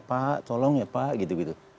pak tolong ya pak gitu gitu